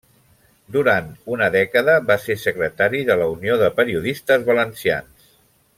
Durant una dècada va ser secretari de la Unió de Periodistes Valencians.